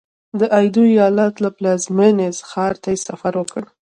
د ایدو ایالت له پلازمېنې ښار ته سفر وکړ.